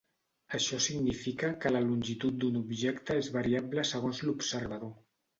Això significa que la longitud d'un objecte és variable segons l'observador.